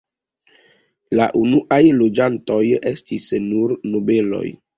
La unuaj loĝantoj estis nur nobeloj.